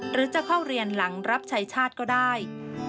หรือจะเข้าเรียนหลังรับใช้ชาติก็ได้